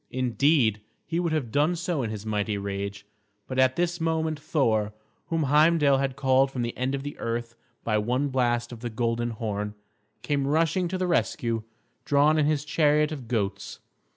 Indeed, he would have done so in his mighty rage; but at this moment Thor, whom Heimdal had called from the end of the earth by one blast of the golden horn, came rushing to the rescue, drawn in his chariot of goats.